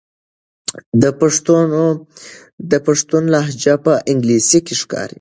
د پښتون لهجه په انګلیسي کې ښکاري.